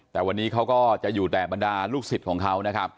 แต่วันนี้เขาก็จะอยู่แต่บรรดารูขสิทธิ์ของเขา